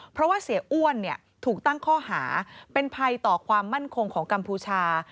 เพราะว่าเสียอ้วนถูกตั้งข้อหาเป็นภัยต่อความมั่นคงของกัมพูชา